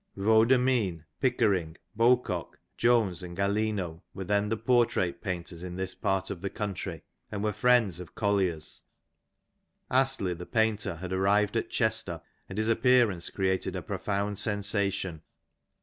Vaudermijn, Pickering, Bow cock, Jones and Gallino were then the portrait painters in this part of the country, and were friends of Collier's. Astley the painter had arrived at Chester, and his appearance created a profound sensation.